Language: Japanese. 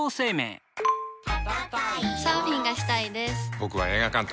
僕は映画監督。